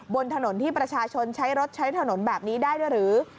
บนถนนที่ประชาชนใช้รถใช้ถนนแบบนี้ได้ด้วยหรือ